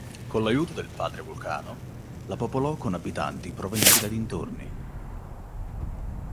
Con l'aiuto del padre Vulcano, la popolò con abitanti provenienti dai dintorni.